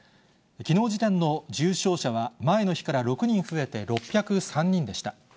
きのう時点の重症者は、前の日から６人増えて６０３人でした。